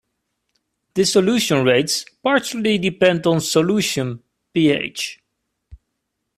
Dissolution rates partially depend on solution pH.